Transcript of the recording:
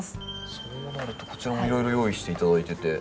そうなるとこちらもいろいろ用意して頂いてて。